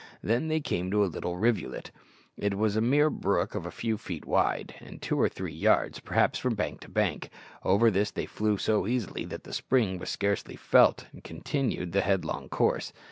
Then they came to a little rivulet. It was a mere brook of a few feet wide, and two or three yards, perhaps, from bank to bank. Over this they flew so easily that the spring was scarcely felt, and continued the headlong course.